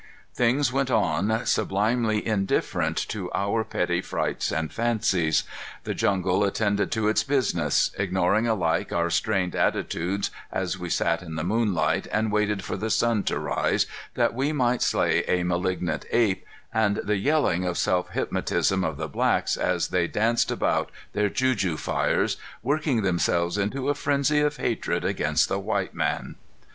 Things went on, sublimely indifferent to our petty frights and fancies. The jungle attended to its business, ignoring alike our strained attitudes as we sat in the moonlight and waited for the sun to rise that we might slay a malignant ape, and the yelling of self hypnotism of the blacks as they danced about their juju fires, working themselves into a frenzy of hatred against the white man.